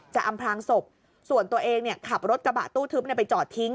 อำพลางศพส่วนตัวเองขับรถกระบะตู้ทึบไปจอดทิ้ง